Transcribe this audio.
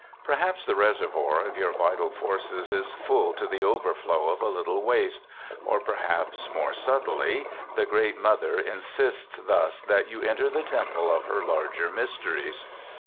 Perhaps the reservoir of your vital forces is full to the overflow of a little waste; or perhaps, more subtly, the great Mother insists thus that you enter the temple of her larger mysteries.